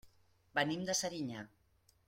Venim de Serinyà.